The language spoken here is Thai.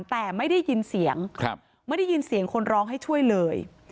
แต่ไม่ได้ยินเสียงไม่ได้ยินเสียงคนร้องให้ช่วยเลย